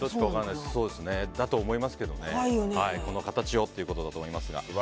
そうだと思いますけどこの形をということだと思います。